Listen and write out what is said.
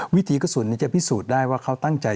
วิถีกระสุนนี้จะพิสูจน์ได้ว่าเขาตั้งใจ